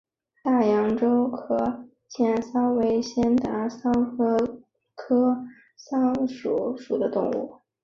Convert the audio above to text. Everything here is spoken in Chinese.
大洋洲壳腺溞为仙达溞科壳腺溞属的动物。